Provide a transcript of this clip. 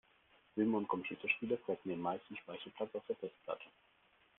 Filme und Computerspiele fressen den meisten Speicherplatz auf der Festplatte.